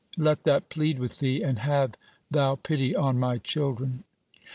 Let that plead with Thee, and have Thou pity on my children."